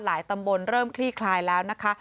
ตำบลเริ่มคลี่คลายแล้วนะคะ